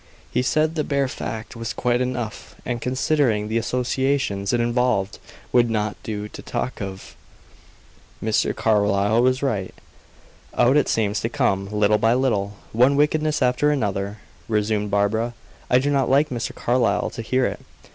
He said the bare fact was quite enough, and considering the associations it involved, would not do to talk of." Mr. Carlyle was right. "Out it seems to come, little by little, one wickedness after another!" resumed Barbara. "I do not like Mr. Carlyle to hear it.